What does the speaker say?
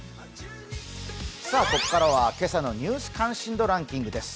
ここからは今朝の「ニュース関心度ランキング」です。